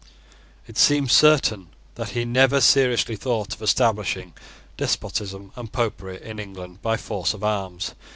It seems certain that he never seriously thought of establishing despotism and Popery in England by force of arms.